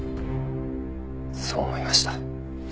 そう思いました。